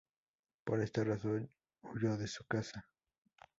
Por esta razón, huyó de su casa.